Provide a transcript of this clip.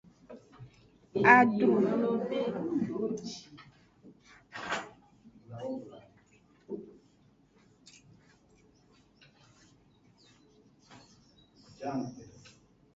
Adru.